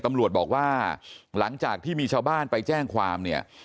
ตำรวจบอกว่าหลังจากที่มีชาวบ้านไปแจ้งความเนี่ย